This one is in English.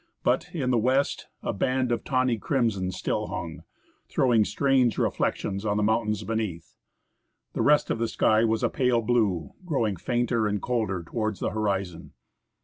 But, in the west, a band of tawny crimson still hung, throwing strange reflections on the mountains beneath. The rest of the sky was a pale blue, growing fainter and colder towards the horizon.